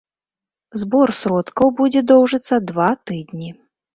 Збор сродкаў будзе доўжыцца два тыдні.